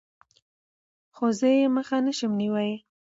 خو زه يې مخه نشم نيوى.